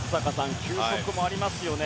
球速もありますよね。